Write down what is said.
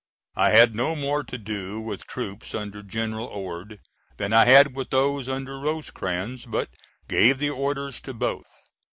I had no more to do with troops under General Ord than I had with those under Rosecrans, but gave the orders to both.